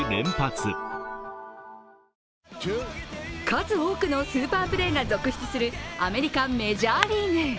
数多くのスーパープレーが続出するアメリカメジャーリーグ。